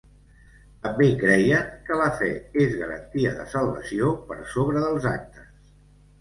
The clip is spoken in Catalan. També creien que la fe és garantia de salvació, per sobre dels actes.